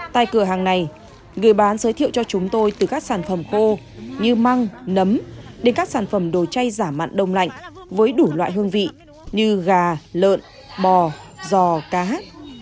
tại cửa hàng này người bán giới thiệu cho chúng tôi từ các sản phẩm khô như măng nấm đến các sản phẩm đồ chay giả mạn đông lạnh với đủ loại hương vị như gà lợn bò giò cá